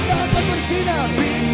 tuhan yang ku cintai